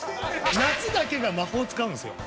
夏だけが魔法を使うんですよ。